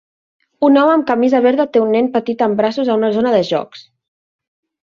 Un home amb camisa verda té un nen petit en braços a una zona de jocs.